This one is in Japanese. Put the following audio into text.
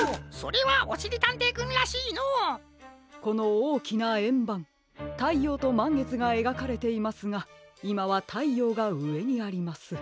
このおおきなえんばんたいようとまんげつがえがかれていますがいまはたいようがうえにあります。